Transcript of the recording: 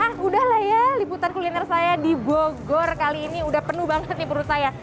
hah udahlah ya liputan kuliner saya di bogor kali ini udah penuh banget nih menurut saya